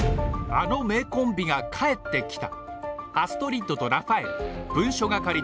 あの名コンビが帰ってきた！